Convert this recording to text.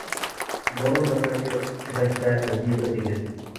بۇرۇن بىر مەزگىل تىبەتتە ۋەزىپە ئۆتىگەن .